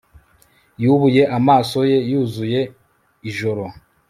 Yubuye amaso ye yuzuye ijoro